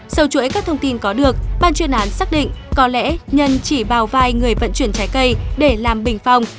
sau chuỗi các thông tin có được ban chuyên án xác định có lẽ nhân chỉ bào vai người vận chuyển trái cây để làm bình phong